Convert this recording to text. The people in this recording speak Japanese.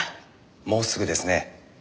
もうすぐですね。